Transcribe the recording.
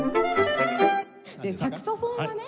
サクソフォンはね